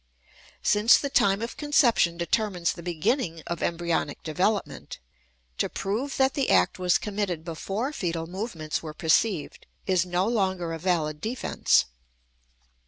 Since the time of conception determines the beginning of embryonic development, to prove that the act was committed before fetal movements were perceived is no longer a valid defense.